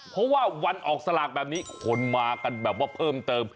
เพราะว่าวันออกสลากแบบนี้คนมากันแบบว่าเพิ่มเติม